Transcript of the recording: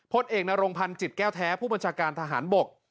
เอกนรงพันธ์จิตแก้วแท้ผู้บัญชาการทหารบก